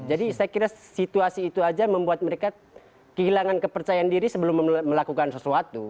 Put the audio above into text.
jadi saya kira situasi itu aja membuat mereka kehilangan kepercayaan diri sebelum melakukan sesuatu